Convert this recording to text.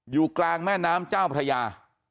อยู่กลางแม่น้ำเจ้าพระยา